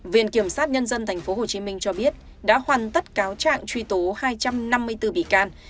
viện kiểm sát nhân dân tp hcm cho biết đã hoàn tất cáo trạng truy tố hai trăm năm mươi bốn bị can